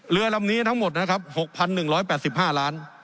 เรือลำนี้ทั้งหมดนะครับหกพันหนึ่งร้อยแปดสิบห้าล้าน